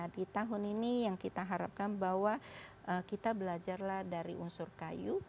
di tahun ini yang kita harapkan bahwa kita belajarlah dari unsur kayu